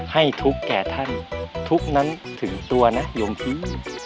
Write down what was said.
ให้ทุกแก่ท่านทุกนั้นถึงตัวนะยมที